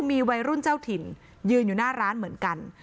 มีวัยรุ่นเจ้าถิ่นยืนอยู่หน้าร้านเหมือนกัน